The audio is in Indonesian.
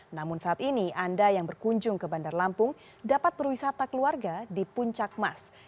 namun saat ini anda yang berkunjung ke bandar lampung dapat berwisata keluarga di puncak mas